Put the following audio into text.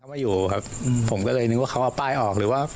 ไม่อยู่ครับผมก็เลยนึกว่าเขาเอาป้ายออกหรือว่า